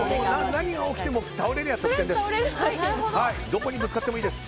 何が起きても倒れれば得点です。